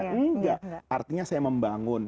enggak artinya saya membangun